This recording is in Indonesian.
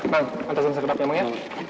nah antar semestinya ke emang ya